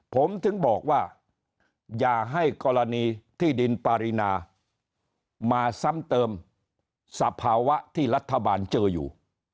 ผมถึงบอกว่าอย่าให้กรณีที่ดินปารีนามาซ้ำเติมสภาวะที่รัฐบาลเจออยู่